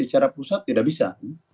secara pusat tidak bisa